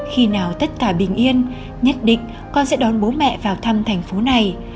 khi nào tất cả bình yên nhất định con sẽ đón bố mẹ vào thăm thành phố này